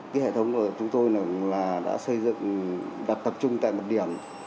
cái hệ thống của chúng tôi là đã xây dựng và tập trung tại một điểm